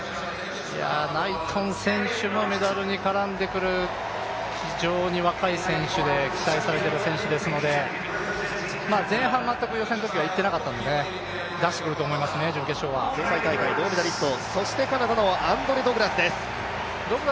ナイトン選手もメダルに絡んでくる非常に若い選手で期待されてる選手ですので前半、全く予選のときはいってなかったので出してくると思いますね、準決勝はそしてカナダのアンドレ・ドグラスです。